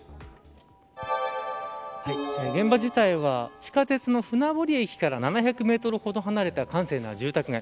現場自体は地下鉄の船堀駅から７００メートルほど離れた閑静な住宅街。